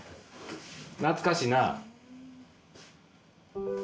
懐かしいな。